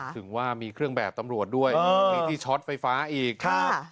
ถึงว่ามีเครื่องแบบตำรวจด้วยมีที่ช็อตไฟฟ้าอีกครับ